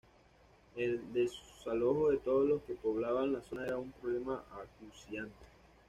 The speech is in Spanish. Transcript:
El desalojo de todos los que poblaban la zona era un problema acuciante.